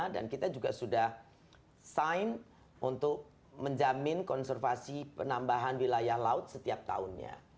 dan kita juga sudah sign untuk menjamin konservasi penambahan wilayah laut setiap tahunnya